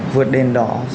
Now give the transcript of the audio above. vượt đền đỏ